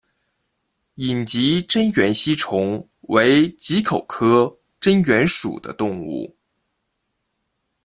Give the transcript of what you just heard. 隐棘真缘吸虫为棘口科真缘属的动物。